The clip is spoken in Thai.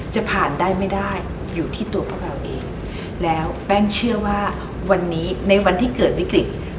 จะผ่านได้ไม่ได้อยู่ที่ตัวพวกเราเองแล้วแป้งเชื่อว่าวันนี้ในวันที่เกิดวิกฤต